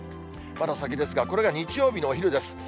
まだ先ですが、これが日曜日のお昼です。